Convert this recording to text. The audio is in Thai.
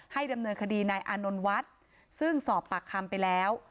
ดำเนินคดีนายอานนท์วัดซึ่งสอบปากคำไปแล้ว